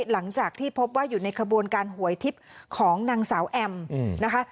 หลังจากที่พบว่าอยู่ในขบวนการหวยทิพย์ของนางสาวแอมนะคะ